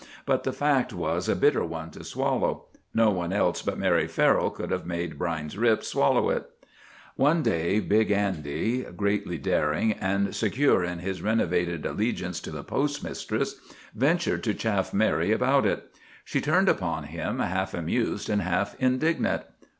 But the fact was a bitter one to swallow. No one else but Mary Farrell could have made Brine's Rip swallow it. One day Big Andy, greatly daring, and secure in his renovated allegiance to the postmistress, ventured to chaff Mary about it. She turned upon him, half amused and half indignant.